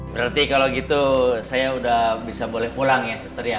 berarti kalau begitu saya sudah bisa boleh pulang ya sestria